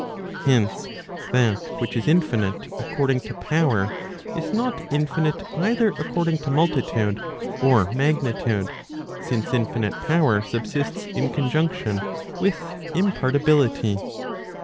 Hence, that which is infinite according to power, is not infinite either according to multitude or magnitude, since infinite power subsists in conjunction with imparti¬ bility.